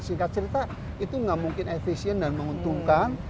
singkat cerita itu nggak mungkin efisien dan menguntungkan